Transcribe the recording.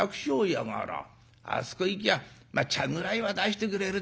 あそこ行きゃ茶ぐらいは出してくれるだろう。